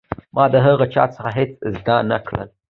ما د هغه چا څخه هېڅ زده نه کړل.